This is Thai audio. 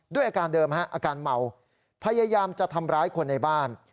ด้วยอาการเดิมฮะอาการเมาพยายามจะทำร้ายคนในบ้าน